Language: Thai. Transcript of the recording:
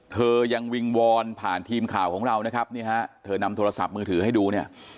เธอยังวิงวอนผ่านทีมข่าวของเรานะครับนี่ฮะเธอนำโทรศัพท์มือถือให้ดูเนี่ย